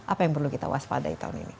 apa yang perlu kita waspadai tahun ini